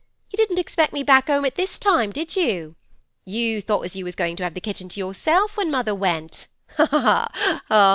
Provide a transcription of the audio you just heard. You didn't expect me back 'ome at this time, did you? You thought as you was goin' to have the kitchen to yourself when mother went. Ha ha!